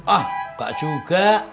ah kak juga